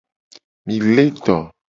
Mi le do.